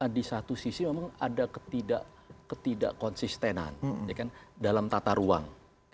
di satu sisi memang ada ketidak konsistenan dalam tata ruang